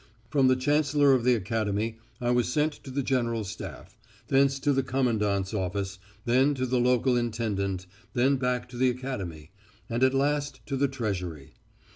From the Chancellor of the Academy I was sent to the General Staff, thence to the Commandant's office, then to the local intendant, then back to the Academy, and at last to the Treasury.